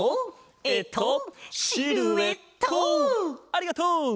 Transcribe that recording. ありがとう！